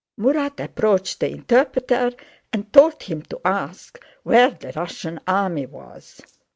Murat approached the interpreter and told him to ask where the Russian army was.